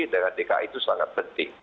dengan dki itu sangat penting